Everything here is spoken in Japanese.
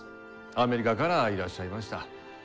アメリカからいらっしゃいました。